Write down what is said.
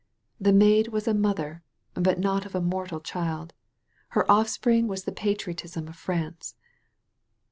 The Maid was a mother, but not of a mortal child. Her off spring was the patriotism of France.''